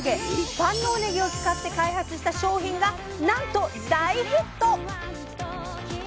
万能ねぎを使って開発した商品がなんと大ヒット！